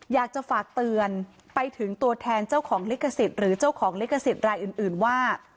อยากจะฝากเตือนไปถึงตัวแทนเจ้าของลิขสิทธิ์หรือเจ้าของลิขสิทธิ์รายอื่นว่า